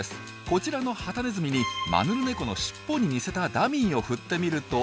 こちらのハタネズミにマヌルネコのしっぽに似せたダミーを振ってみると。